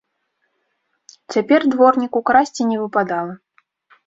Цяпер дворніку красці не выпадала.